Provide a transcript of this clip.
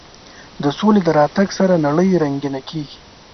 د سولې د راتګ سره نړۍ رنګینه کېږي.